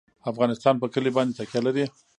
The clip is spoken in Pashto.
افغانستان په کلي باندې تکیه لري.